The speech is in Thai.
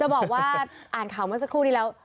บอกว่าอ่านข่าวเมื่อสักครู่นี้แล้ว